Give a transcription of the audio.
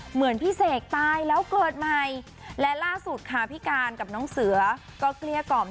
เหมือนพี่เสกตายแล้วเกิดใหม่และล่าสุดค่ะพี่การกับน้องเสือก็เกลี้ยกล่อม